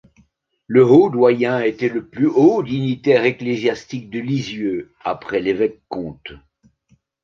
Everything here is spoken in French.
Le Haut-Doyen était le plus haut dignitaire ecclésiastique de Lisieux après l'Evêque-Comte.